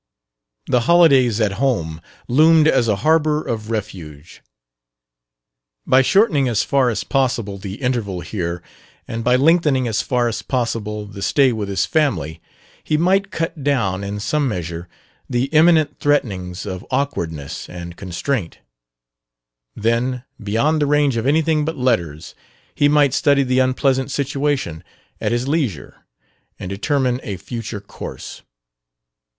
The holidays at home loomed as a harbor of refuge. By shortening as far as possible the interval here and by lengthening as far as possible the stay with his family, he might cut down, in some measure, the imminent threatenings of awkwardness and constraint; then, beyond the range of anything but letters, he might study the unpleasant situation at his leisure and determine a future course.